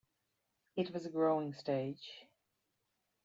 It was a growing stage.